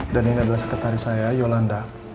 ini adalah sekretaris saya yolanda